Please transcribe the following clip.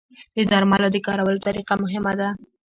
د درملو د کارولو طریقه مهمه ده.